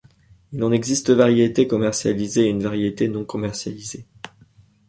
Il en existe deux variétés commercialisées et une variété non commercialisée.